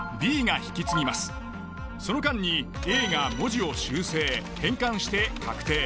その間にＡが文字を修正・変換して確定。